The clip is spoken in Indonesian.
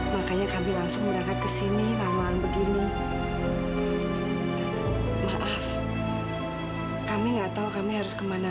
makanya kami langsung murahkan kesini malam begini maaf kami enggak tahu kami harus kemana